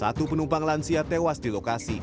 satu penumpang lansia tewas di lokasi